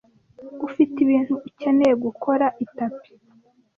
Ufite ibintu ukeneye gukora itapi?